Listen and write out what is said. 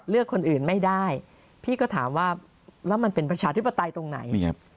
เลือกคนอื่นไม่ได้พี่ก็ถามว่าแล้วมันเป็นประชาธิปไตยตรงไหน